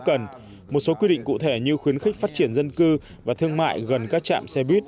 cần một số quy định cụ thể như khuyến khích phát triển dân cư và thương mại gần các trạm xe buýt